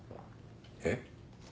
えっ？